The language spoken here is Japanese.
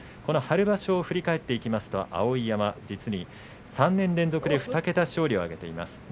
春場所を振り返っていきますと碧山、実に３年連続で２桁勝利を挙げています。